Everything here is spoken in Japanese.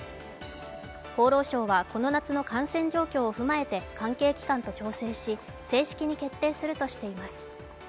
厚労省はこの夏の感染状況を踏まえて関係機関と調整し、正式に決定するとしています。